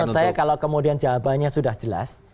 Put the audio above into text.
menurut saya kalau kemudian jawabannya sudah jelas